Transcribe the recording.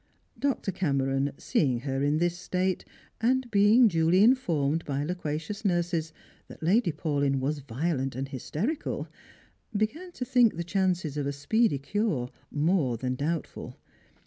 Dr. Cameron seeing her in this state, and being duly informed by loquacious nurses that Lady Paulyn was violent and hysterical, began to think the chances of speedy cure more than doubtful.